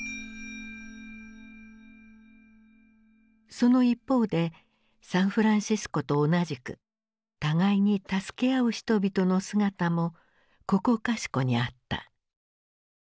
その一方でサンフランシスコと同じく互いに助け合う人々の姿もここかしこにあった。